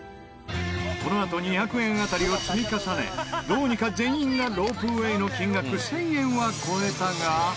このあと２００円当たりを積み重ねどうにか全員がロープウェイの金額１０００円は超えたが。